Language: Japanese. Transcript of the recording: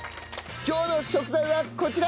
今日の食材はこちら！